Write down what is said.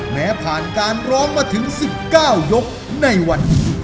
ผ่านการร้องมาถึง๑๙ยกในวันนี้